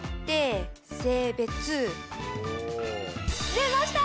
出ました！